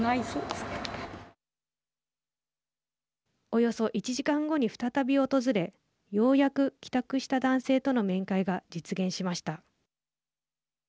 およそ１時間後に再び訪れようやく帰宅した男性との面会が実現しました。